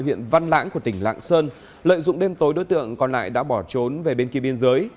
huyện văn lãng của tỉnh lạng sơn lợi dụng đêm tối đối tượng còn lại đã bỏ trốn về bên kia biên giới